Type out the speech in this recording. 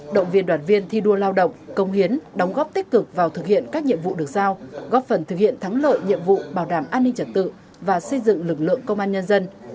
động viên đoàn viên thi đua lao động công hiến đóng góp tích cực vào thực hiện các nhiệm vụ được giao góp phần thực hiện thắng lợi nhiệm vụ bảo đảm an ninh trật tự và xây dựng lực lượng công an nhân dân